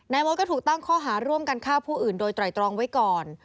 มดก็ถูกตั้งข้อหาร่วมกันฆ่าผู้อื่นโดยไตรตรองไว้ก่อน